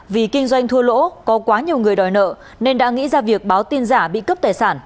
vì kinh doanh thua lỗ có quá nhiều người đòi nợ nên đã nghĩ ra việc báo tin giả bị cướp tài sản